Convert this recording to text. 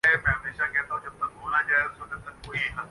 آج قدرت نے ان کے ساتھ ہاتھ کر دیا۔